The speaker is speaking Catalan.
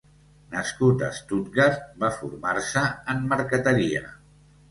Nascut a Stuttgart, va formar-se en marqueteria.